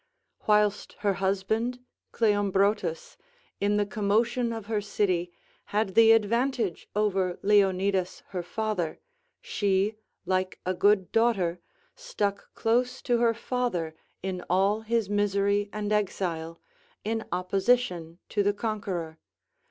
Whilst her husband Cleombrotus, in the commotion of her city, had the advantage over Leonidas her father, she, like a good daughter, stuck close to her father in all his misery and exile, in opposition to the conqueror.